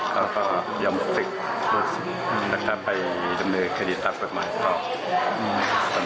เขาก็ยอมฟิกมือสิถ้าถ้าไปดำเนินคฤตตามตรวจหมายต้องอืม